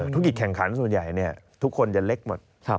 ธุรกิจแข่งขันส่วนใหญ่ทุกคนจะเล็กหมด